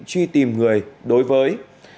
truy tìm người đối với